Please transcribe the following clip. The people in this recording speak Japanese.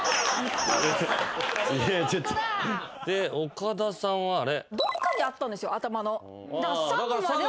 岡田さんはあれ。